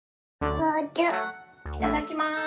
いただきます。